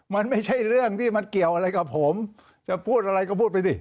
มันไม่ใช่เรื่องที่มันเกี่ยวอะไรกับผมจะพูดอะไรก็พูดไปสิ